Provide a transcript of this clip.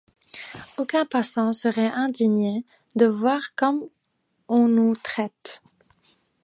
Aucuns passants seraient indignés de voir comme on nous traite.